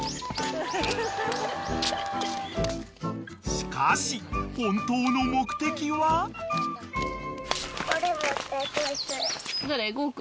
［しかし本当の目的は］ごう君？